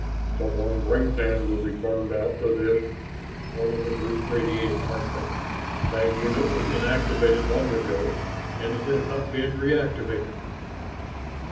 "Someone's brain pan will be burned out for this," one of the group radiated harshly. "That unit was inactivated long ago and it has not been reactivated."